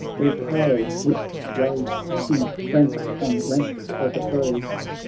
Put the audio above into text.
All pale with rage he ranks on ranks o'erthrows.